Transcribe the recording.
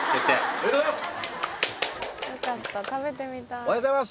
おめでとうございます！